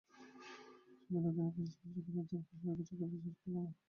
সে বিনোদিনীকে স্পষ্ট করিয়া কোনো প্রশ্ন জিজ্ঞাসা করিতে সাহস করিল না।